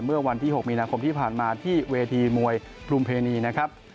เมื่อวันที่๖มีนาคมที่ผ่านมาที่เวทีมวยพรุมเพณีนะครับ